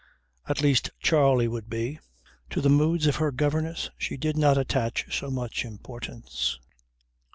At least Charley would be. To the moods of her governess she did not attach so much importance.